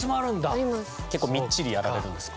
結構みっちりやられるんですか？